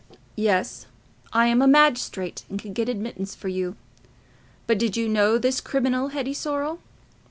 "Yes; I am a magistrate, and can get admittance for you. But did you know this criminal, Hetty Sorrel?"